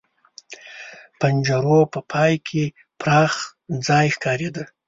د پنجرو په پای کې پراخ ځای ښکارېده.